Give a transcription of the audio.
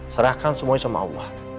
serahkan semuanya sama allah